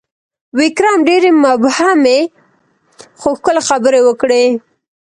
ویکرم ډېرې مبهمې، خو ښکلي خبرې وکړې: